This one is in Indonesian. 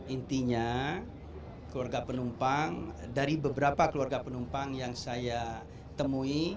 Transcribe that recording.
intinya keluarga penumpang dari beberapa keluarga penumpang yang saya temui